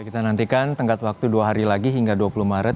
kita nantikan tenggat waktu dua hari lagi hingga dua puluh maret